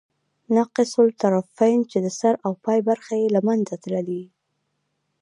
ناقص الطرفین، چي د سر او پای برخي ئې له منځه تللي يي.